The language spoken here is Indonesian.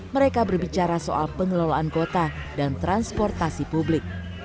mereka berbicara soal pengelolaan kota dan transportasi publik